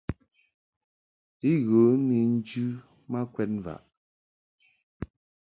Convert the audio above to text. I ghə ni njɨ ma kwɛd mvaʼ.